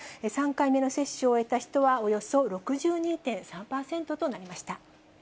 ３回目の接種を終えた人はおよそ６２．３％となりました。